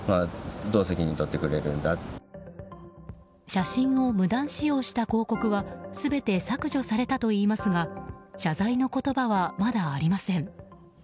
写真を無断使用した広告は全て削除されたといいますが謝罪の言葉はまだありません。